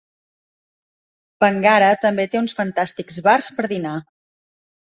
Wangara també té uns fantàstics bars per dinar.